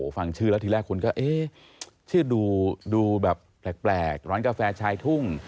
ฟังชื่อแล้วทีแรกคนก็เอ๊ะชื่อดูแบบแปลกร้านกาแฟชายทุ่ง